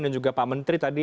dan juga pak menteri tadi